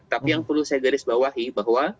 tapi yang perlu saya garisbawahi bahwa